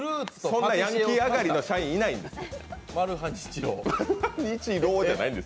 そんなヤンキー上がりの社員、いないんです。